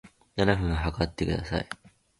七分測ってください